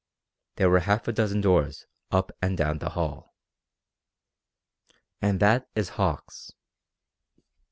There were half a dozen doors up and down the hall. "And that is Hauck's."